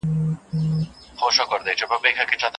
هغه ځوانان چي مطالعه نه کوي بې هدفه دي.